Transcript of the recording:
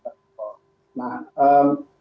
tapi kita juga perlu sangat hati hati mengelola